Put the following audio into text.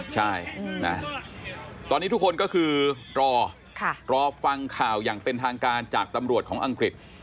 ใช่นะตอนนี้ทุกคนก็คือรอรอฟังข่าวอย่างเป็นทางการจากตำรวจของอังกฤษ